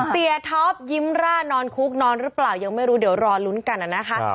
ท็อปยิ้มร่านอนคุกนอนหรือเปล่ายังไม่รู้เดี๋ยวรอลุ้นกันนะคะ